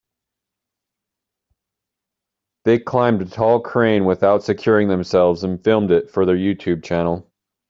They climbed a tall crane without securing themselves and filmed it for their YouTube channel.